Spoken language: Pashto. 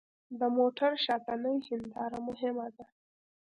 د موټر شاتنۍ هېنداره مهمه ده.